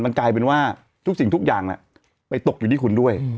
กลายเป็นว่าทุกสิ่งทุกอย่างไปตกอยู่ที่คุณด้วย